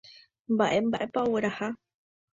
Mba'emba'épa ogueraha.